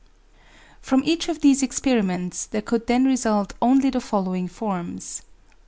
From each of these experiments there could then result only the following forms: 1.